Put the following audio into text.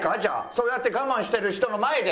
そうやって我慢してる人の前で。